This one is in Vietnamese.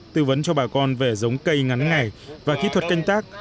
tư vấn cho bà con về giống cây ngắn ngày và kỹ thuật canh tác